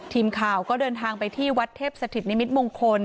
ทีมข่าวก็เดินทางไปที่วัดเทพสถิตนิมิตมงคล